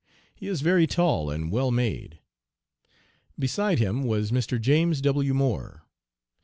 He is very tall and well made. Beside him was Mr. James W. Moore.